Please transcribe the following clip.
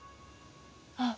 あっ。